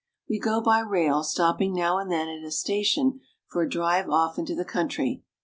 We go by rail, stopping now and then at a station for a drive off into the country.